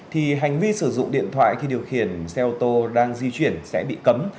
thì hành vi sử dụng điện thoại khi điều khiển xe ô tô đang di chuyển sẽ bị cấm